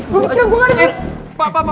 gue mikirin gue gak ada